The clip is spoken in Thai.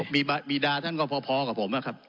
มีดาท่านก็พอกับผมนะครับ